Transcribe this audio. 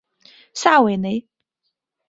萨韦雷。